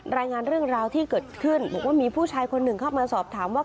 รายงานเรื่องราวที่เกิดขึ้นบอกว่ามีผู้ชายคนหนึ่งเข้ามาสอบถามว่า